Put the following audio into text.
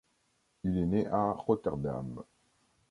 Il est né à Rotterdam.